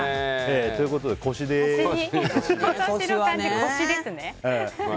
ということで「腰」です。